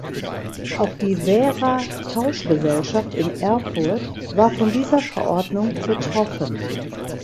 Auch die Wära-Tauschgesellschaft in Erfurt war von dieser Verordnung betroffen.